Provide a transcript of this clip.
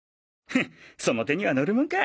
フッその手にはのるもんか！